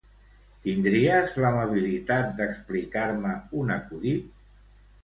Tindries l'amabilitat d'explicar-me un acudit?